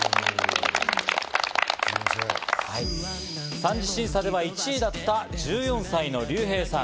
３次審査では１位だった１４歳のリュウヘイさん。